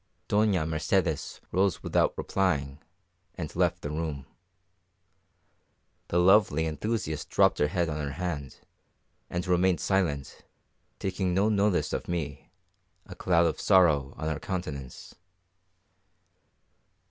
Doña Mercedes rose without replying, and left the room. The lovely enthusiast dropped her head on her hand, and remained silent, taking no notice of me, a cloud of sorrow on her countenance.